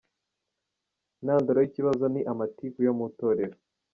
Intandaro y’ikibazo ni amatiku yo mu Itorero